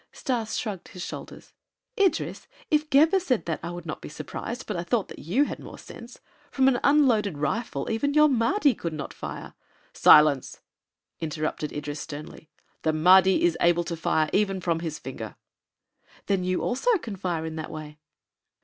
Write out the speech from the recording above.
Stas shrugged his shoulders. "Idris, if Gebhr said that, I would not be surprised, but I thought that you had more sense. From an unloaded rifle even your Mahdi could not fire " "Silence!" interrupted Idris sternly. "The Mahdi is able to fire even from his finger." "Then you also can fire in that way."